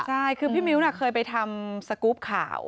ใช่คือพี่มิ้วเคยไปทำสกรูปข่าว